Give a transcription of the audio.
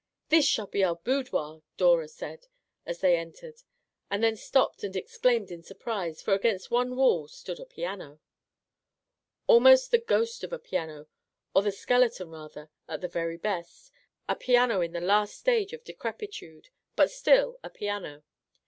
" This shall be our boudoir," Dora said, as they entered, and then stopped and exclaimed in surprise, for against one wall stood a piano ! Almost the ghost of a piano, or the skeleton, rather, — at the very best, a piano in the last stage of decrepitude, but still a piano.